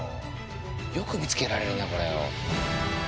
よく見つけられるなこれを。